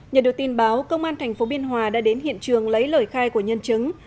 nhờ được tin báo công an tp biên hòa đã đến hiện trường lấy lời khai của nhân chứng